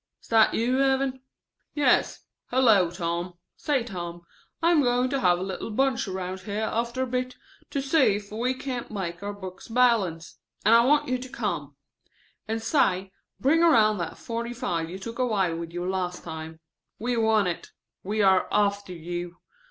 "Is that you, Evan?" ("Yes. Hello, Tom. Say, Tom, I am going to have a little bunch around here after a bit to see if we can't make our books balance, and I want you to come. And say, bring around that forty five you took away with you last time. We want it. We are after you.